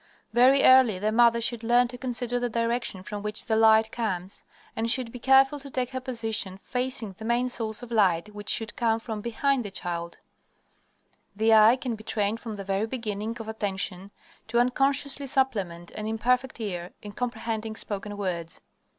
Very early the mother should learn to consider the direction from which the light comes, and should be careful to take her position facing the main source of light which should come from behind the child. The eye can be trained from the very beginning of attention to unconsciously supplement an imperfect ear in comprehending spoken words.